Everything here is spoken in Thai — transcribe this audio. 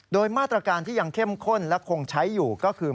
โดยมาตรการที่ยังเข้มข้นและคงใช้อยู่ก็คือ